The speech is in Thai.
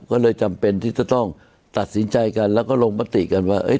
ก็เลยจำเป็นที่จะต้องตัดสินใจกันแล้วก็ลงมติกันว่า